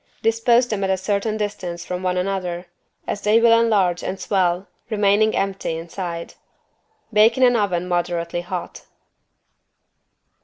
Dispose them at a certain distance from one another as they will enlarge and swell, remaining empty inside. Bake in an oven moderately hot.